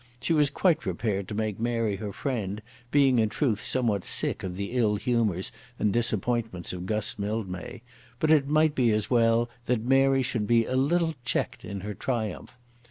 She was quite prepared to make Mary her friend, being in truth somewhat sick of the ill humours and disappointments of Guss Mildmay; but it might be as well that Mary should be a little checked in her triumph.